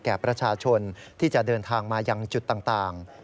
แก่ประชาชนที่จะเดินทางมายังจุดต่าง